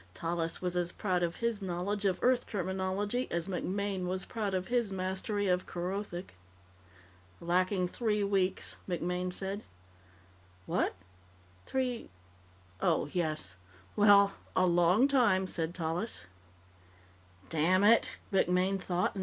Tallis was as proud of his knowledge of Earth terminology as MacMaine was proud of his mastery of Kerothic. "Lacking three weeks," MacMaine said. "What? Three ... oh, yes. Well. A long time," said Tallis.